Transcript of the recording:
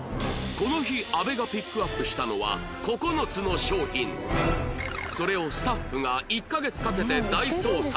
この日阿部がピックアップしたのはそれをスタッフが１カ月かけて大捜索